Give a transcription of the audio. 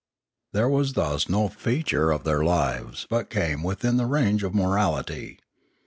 There was thus no feature of their lives but came within the range of morality.